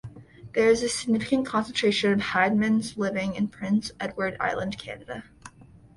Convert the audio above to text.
There is a significant concentration of Hyndman's living in Prince Edward Island, Canada.